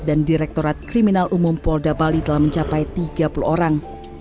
dan direktorat kriminal umum polda bali telah mencapai tiga puluh orang